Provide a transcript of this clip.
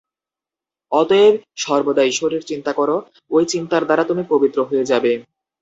অতএব সর্বদা ঈশ্বরের চিন্তা কর, ঐ চিন্তার দ্বারা তুমি পবিত্র হয়ে যাবে।